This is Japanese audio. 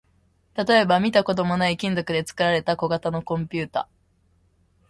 例えば、見たこともない金属で作られた小型のコンピュータ